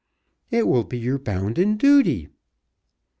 "It will be your bounden duty."